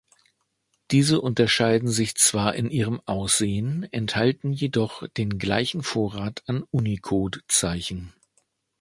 Diese unterscheiden sich zwar in ihrem Aussehen, enthalten jedoch den gleichen Vorrat an Unicode-Zeichen.